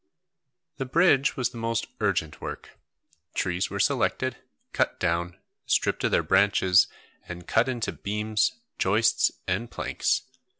The bridge was the most urgent work. Trees were selected, cut down, stripped of their branches, and cut into beams, joists, and planks.